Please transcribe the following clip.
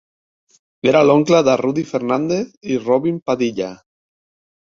Era l'oncle de Rudy Fernández i Robin Padilla.